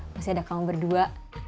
masih ada kamu berdua